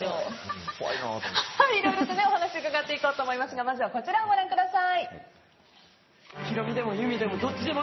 いろいろとお話を伺っていこうと思いますがまずはこちらをご覧ください。